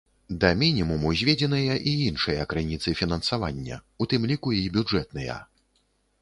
Да мінімуму зведзеныя і іншыя крыніцы фінансавання, у тым ліку і бюджэтныя.